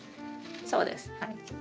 そうです。